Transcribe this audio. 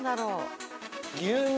牛乳？